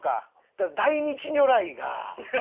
ただ大日如来が。